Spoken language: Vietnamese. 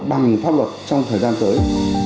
bằng pháp luật trong thời gian tới